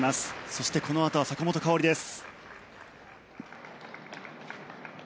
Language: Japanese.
そしてこのあとは坂本花織です。